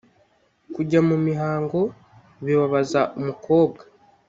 kujya mu mihango bibabaza umukobwa.